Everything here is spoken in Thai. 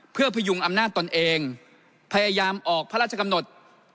เพื่อพยุงอำนาจตนเองพยายามออกพระราชกำหนด